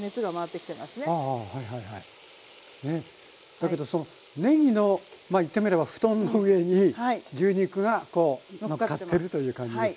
だけどそのねぎのまあ言ってみれば布団の上に牛肉がこうのっかってます。